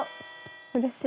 うれしい。